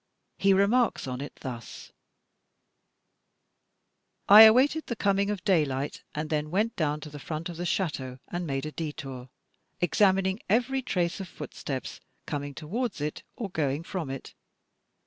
He remarks on it thus: "I awaited the coming of daylight and then went down to the front of the chateau, and made a detour, examining every trace of footsteps coming towards it or going from it.